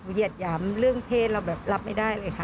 เหยียดหยามเรื่องเพศเราแบบรับไม่ได้เลยค่ะ